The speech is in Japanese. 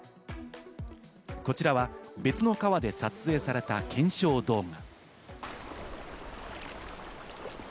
こちらは別の川で撮影された検証動画。